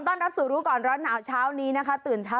ต้อนรับสู่รู้ก่อนร้อนหนาวเช้านี้นะคะ